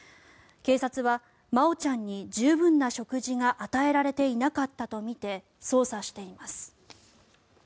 警察は真愛ちゃんに十分な食事が与えられていなかったとみて捜査しています。